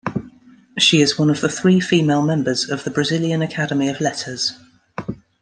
She is one of the three female members of the Brazilian Academy of Letters.